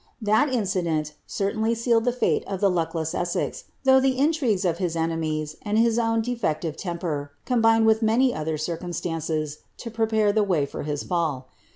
That incident certainly sealed the fate of the luckless EsseT, though Ihe intrigues of his enemies, and his own defective temper, combined. with many other circumstances, to prepare the wav for his fall.